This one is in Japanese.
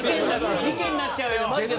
事件になっちゃうよ。